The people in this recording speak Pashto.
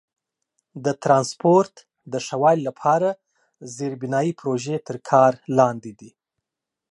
د ترانسپورت د ښه والي لپاره زیربنایي پروژې تر کار لاندې دي.